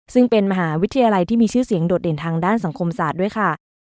ซึ่งเป็นมหาวิทยาลัยที่มีชื่อเสียงโดดเด่นทางด้านสังคมศาสตร์ด้วยค่ะ